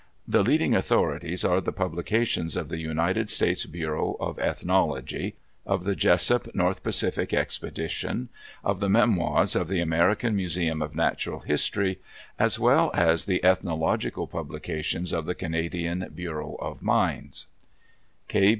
The leading authorities are the publications of the United States Bureau of Ethnology, of the Jesup North Pacific Expedition, of the Memoirs of the American Museum of Natural History, as well as the ethnological publications of the Canadian Bureau of Mines.